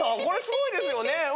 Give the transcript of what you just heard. これすごいですよね。